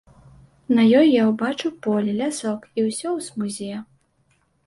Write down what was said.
На ёй я ўбачыў поле, лясок і ўсё ў смузе.